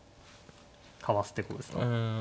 かわしてこうですか？